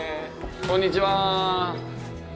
こんにちは。